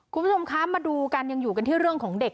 คุณผู้ชมคะมาดูกันยังอยู่กันที่เรื่องของเด็ก